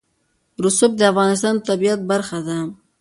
رسوب د افغانستان د طبیعت برخه ده.